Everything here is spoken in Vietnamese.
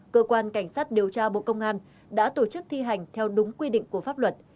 cơ quan cảnh sát điều tra bộ công an đã tổ chức thi hành theo đúng quy định của pháp luật